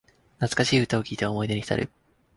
懐かしい歌を聴いて思い出にひたる